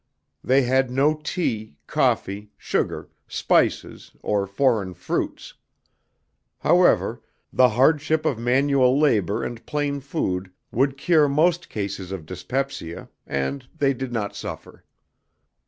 They had no tea, coffee, sugar, spices, or foreign fruits. However, the hardship of manual labor and plain food would cure most cases of dyspepsia, and they did not suffer.